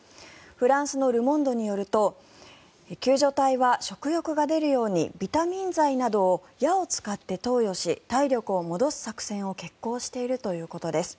フランスのルモンドによると救助隊は食欲が出るようにビタミン剤などを矢を使って投与した威力を戻す作戦を決行しているということです。